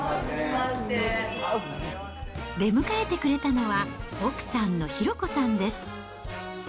出迎えてくれたのは、奥さんの寛子さんです。